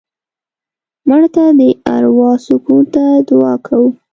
مړه ته د اروا سکون ته دعا کوو